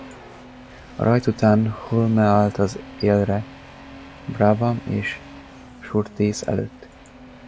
A rajt után Hulme állt az élre Brabham és Surtees előtt.